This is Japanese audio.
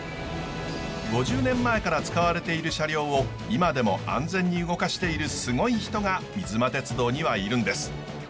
５０年前から使われている車両を今でも安全に動かしているすごい人が水間鉄道にはいるんです。